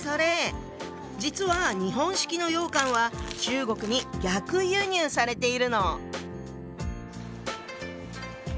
実は日本式の羊羹は中国に逆輸入されているの。